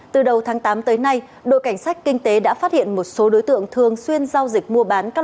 từ đầu tháng tám tới nay đội cảnh sát kinh tế đã phát hiện một số đối tượng thường xuyên giao dịch